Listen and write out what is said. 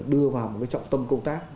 đưa vào một trọng tâm công tác